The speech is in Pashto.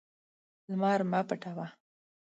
لمر مه پټوه.